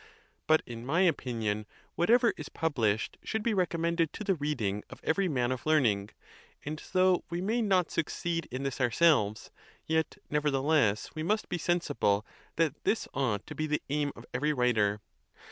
But, in my opinion, whatever is pub lished should be recommended to the reading of every man of learning; and though we may not succeed in this ourselves, yet nevertheless we must be sensible that this ought to be the aim of every writer.